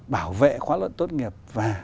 bảo vệ khóa luận tốt nghiệp và